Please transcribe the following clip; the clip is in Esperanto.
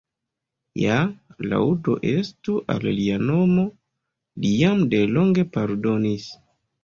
Ja, laŭdo estu al Lia Nomo, Li jam de longe pardonis.